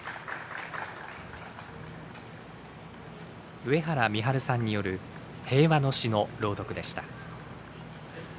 上原美春さんによる平和の詩の朗読でした。